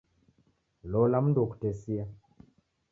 Lola mundu wokutesia.